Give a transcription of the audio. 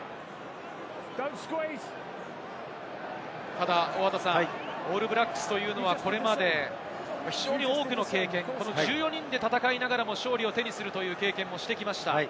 ただオールブラックスはこれまで非常に多くの経験、１４人で戦いながらも、勝利を手にするという経験もしてきました。